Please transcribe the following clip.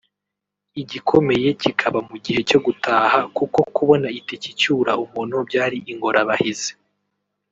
igikomeye kikaba mu gihe cyo gutaha kuko kubona itike icyura umuntu byari ingorabahizi